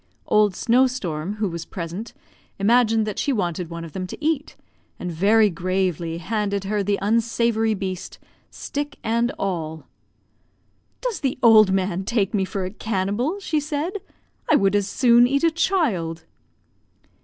Old Snow storm, who was present, imagined that she wanted one of them to eat, and very gravely handed her the unsavoury beast, stick and all. "Does the old man take me for a cannibal?" she said. "I would as soon eat a child."